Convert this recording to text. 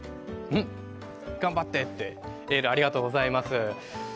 頑張ってってエール、ありがとうございます。